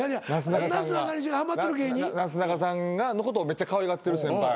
なすなかさんのことめっちゃかわいがってる先輩。